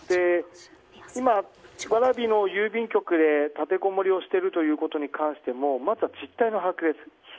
今、蕨の郵便局へ立てこもりをしていることに関してもまずは実態の把握です。